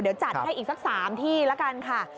เดี๋ยวจัดให้อีกสัก๓ที่ละกันค่ะ